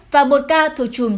và một ca thuộc chùm s một